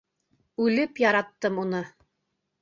Үлеп яраттым уны.